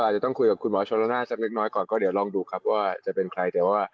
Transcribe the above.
อาจจะต้องคุยกับคุณหมอชะละน่าแสบนิดน้อยก่อนก็เดี๋ยวลองดูครับว่าจะเป็นใคร